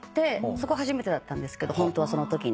そこ初めてだったんですけどホントはそのときに。